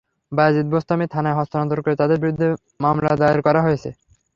বায়েজিদ বোস্তামী থানায় হস্তান্তর করে তাঁদের বিরুদ্ধে মামলা দায়ের করা হয়েছে।